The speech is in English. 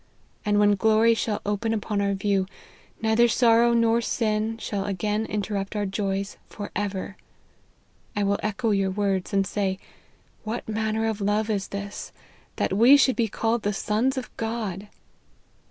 And when glory shall open upon our view, neither sorrow nor sin, shall again interrupt our joys for ever. I will echo your words, and say, ' What manner of love is this, that we should be called the sons of God